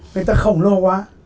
người ta khổng lồ quá